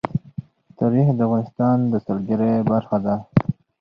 تاریخ د افغانستان د سیلګرۍ برخه ده.